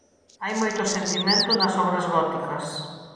Hai moito sentimento nas obras góticas.